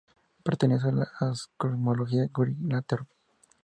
Pertenece a la cosmología Green Lantern.